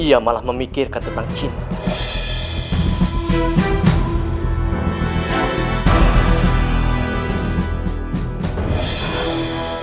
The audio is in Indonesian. ia malah memikirkan tentang cinta